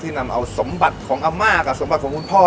นำเอาสมบัติของอาม่ากับสมบัติของคุณพ่อ